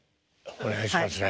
お願いしますね。